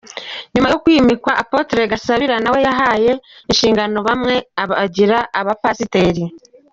Nyuma yo kwimikwa Apotre Gasabira na we yahaye inshingano bamwe abagira abapasiteri.